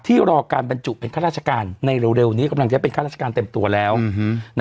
รอการบรรจุเป็นข้าราชการในเร็วนี้กำลังจะเป็นข้าราชการเต็มตัวแล้ว